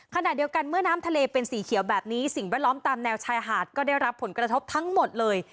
ขณะเดียวกันเมื่อน้ำทะเลเป็นสีเขียวแบบนี้สิ่งแวดล้อมตามแนวชายหาดก็ได้รับผลกระทบทั้งหมดเลย